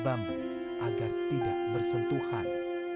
bambu agar tidak bersentuhan